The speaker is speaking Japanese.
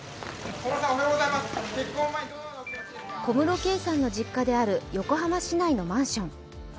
小室圭さんの実家である横浜市内のマンション。